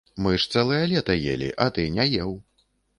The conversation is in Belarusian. Мы ж цэлае лета елі, а ты не еў.